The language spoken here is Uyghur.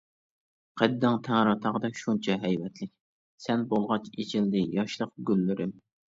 قەددىڭ تەڭرىتاغدەك شۇنچە ھەيۋەتلىك، سەن بولغاچ ئېچىلدى ياشلىق گۈللىرىم.